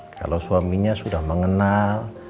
kalau suaminya sudah mengenal